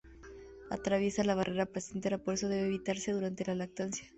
Atraviesa la barrera placentaria, por eso debe evitarse durante la lactancia.